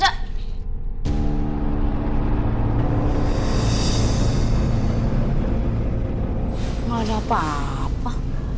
gak ada apa apa